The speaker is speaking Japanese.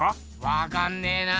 わかんねえな。